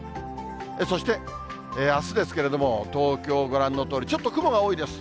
そしてあすですけれども、東京、ご覧のとおり、ちょっと雲が多いです。